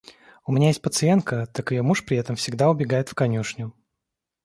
У меня есть пациентка, так ее муж при этом всегда убегает в конюшню.